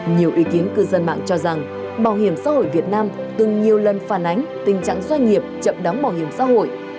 nhiều ý kiến cư dân mạng cho rằng bảo hiểm xã hội việt nam từng nhiều lần phản ánh tình trạng doanh nghiệp chậm đóng bảo hiểm xã hội